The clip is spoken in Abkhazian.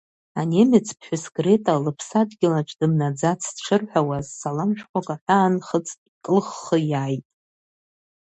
Анемец ԥҳәыс Грета лыԥсадгьылаҿ дымнаӡацт шырҳәауаз, салам шәҟәык аҳәаанхыҵтә икылххы иааит.